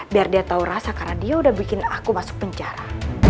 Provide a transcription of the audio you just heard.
biar dia tahu rasa karena dia udah bikin aku masuk penjara